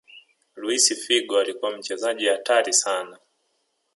luis figo alikuwa mchezaji hatari sana